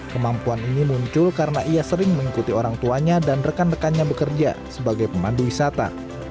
kemampuan ini muncul karena ia sering mengikuti orang tuanya dan rekan rekannya bekerja sebagai pemandu wisata